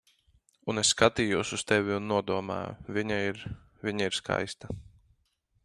Un es skatījos uz tevi un nodomāju: "Viņa ir... Viņa ir skaista."